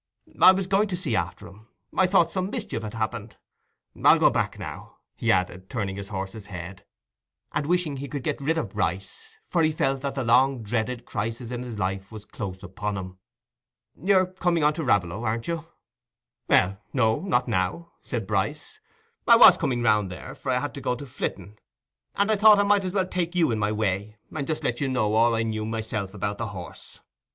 "I was going to see after him—I thought some mischief had happened. I'll go back now," he added, turning the horse's head, and wishing he could get rid of Bryce; for he felt that the long dreaded crisis in his life was close upon him. "You're coming on to Raveloe, aren't you?" "Well, no, not now," said Bryce. "I was coming round there, for I had to go to Flitton, and I thought I might as well take you in my way, and just let you know all I knew myself about the horse.